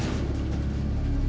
apa yang rabbit